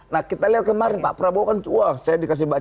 nah kita lihat kemarin pak prabowo kan wah saya dikasih baju